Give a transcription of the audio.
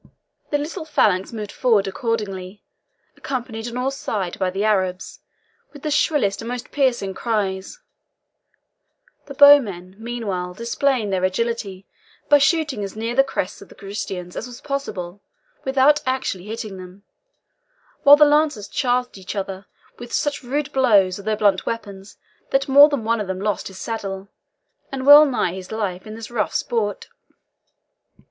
The little phalanx moved forward accordingly, accompanied on all sides by the Arabs, with the shrillest and most piercing cries, the bowmen, meanwhile, displaying their agility by shooting as near the crests of the Christians as was possible, without actually hitting them, while the lancers charged each other with such rude blows of their blunt weapons that more than one of them lost his saddle, and well nigh his life, in this rough sport.